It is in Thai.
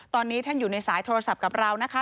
ตอนนี้ท่านอยู่ในสายโทรศัพท์กับเรานะคะ